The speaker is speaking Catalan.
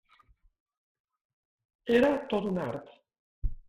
Era tot un art.